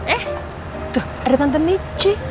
eh tuh ada tante nici